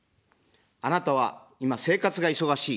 あなたは今、生活が忙しい。